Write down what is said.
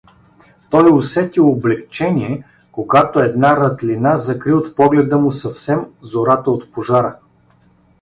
Той усети облекчение, когато една рътлина закри от погледа му съвсем зората от пожара.